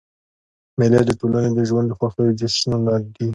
مېلې د ټولني د ژوند د خوښیو جشنونه دي.